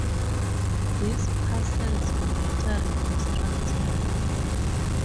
These parcels were later reconstructed.